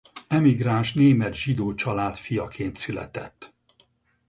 Emigráns német zsidó család fiaként született.